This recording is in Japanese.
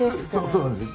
そうなんですよ